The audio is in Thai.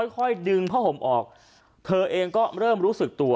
ค่อยดึงผ้าห่มออกเธอเองก็เริ่มรู้สึกตัว